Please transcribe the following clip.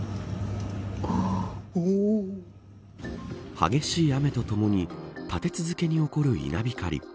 激しい雨とともに立て続けに起こる稲光。